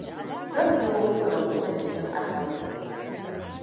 zan turo muku da hoton cikin allon ku